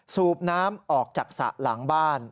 สูบน้ำออกจากสระหลังบ้าน